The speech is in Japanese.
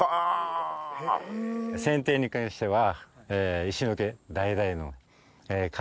剪定に関しては。